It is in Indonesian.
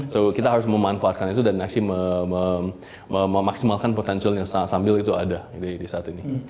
so kita harus memanfaatkan itu dan actual memaksimalkan potensialnya sambil itu ada di saat ini